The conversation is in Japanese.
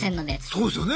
そうですよね。